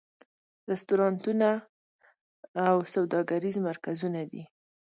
رستورانتونه او سوداګریز مرکزونه دي.